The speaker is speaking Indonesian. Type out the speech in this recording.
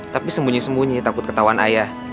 tapi sembunyi sembunyi takut ketahuan ayah